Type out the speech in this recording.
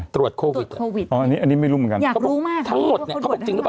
ตรวจอะไรตรวจโควิดอันนี้ไม่รู้เหมือนกันถ้าหมดเนี่ยเขาบอกจริงหรือเปล่า